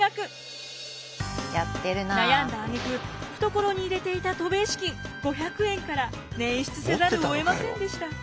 悩んだあげく懐に入れていた渡米資金５００円から捻出せざるをえませんでした。